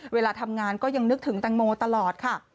เวลาทำงานก็ยังนึกถึงแตงโมตลอดค่ะ